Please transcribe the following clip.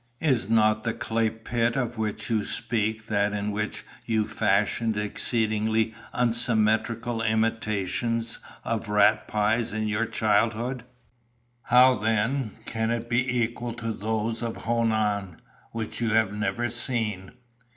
Is not the clay pit of which you speak that in which you fashioned exceedingly unsymmetrical imitations of rat pies in your childhood? How, then, can it be equal to those of Honan, which you have never seen?